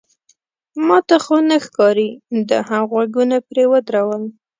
ما ته خو نه ښکاري، ده هم غوږونه پرې ودرول.